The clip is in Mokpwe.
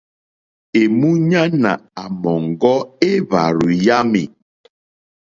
Èmúɲánà àmɔ̀ŋɡɔ́ éhwàrzù yámì.